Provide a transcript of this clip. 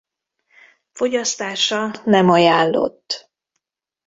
Fogyasztása nem ajánlott.